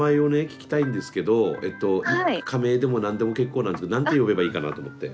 聞きたいんですけど仮名でも何でも結構なんですけど何て呼べばいいかなと思って。